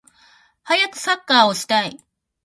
はやくサッカーをしたい